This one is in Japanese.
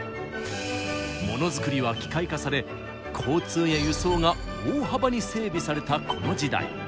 モノづくりは機械化され交通や輸送が大幅に整備されたこの時代。